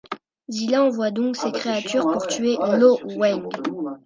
Zilla envoie donc ses créatures pour tuer Lo Wang.